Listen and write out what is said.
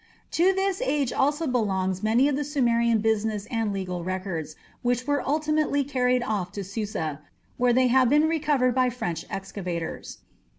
To this age also belongs many of the Sumerian business and legal records, which were ultimately carried off to Susa, where they have been recovered by French excavators.